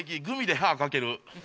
グミで歯欠ける。